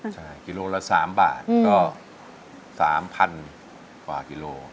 ใช่กิโลละ๓บาทก็๓๐๐๐กว่ากิโล